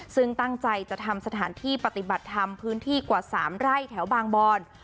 ซึ่งตั้งใจจะทำสถานที่ปฏิบัติธรรมพื้นที่กว่า๓ไร่แถวบางบอน